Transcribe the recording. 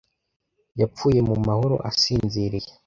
Yapfuye mu mahoro asinziriye.